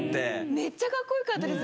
めっちゃカッコ良かったです